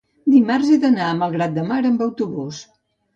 dimarts he d'anar a Malgrat de Mar amb autobús.